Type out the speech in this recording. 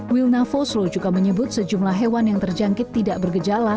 wilna fosro juga menyebut sejumlah hewan yang terjangkit tidak bergejala